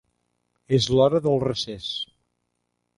És l'hora del recés.